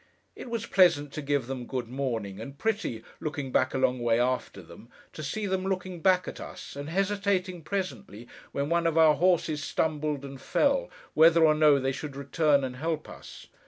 It was pleasant to give them good morning, and pretty, looking back a long way after them, to see them looking back at us, and hesitating presently, when one of our horses stumbled and fell, whether or no they should return and help us.